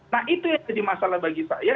nah itu yang jadi masalah bagi saya